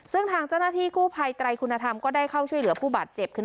ซึ่งทางเจ้าหน้าที่กู้ภัยไตรคุณธรรมก็ได้เข้าช่วยเหลือผู้บาดเจ็บ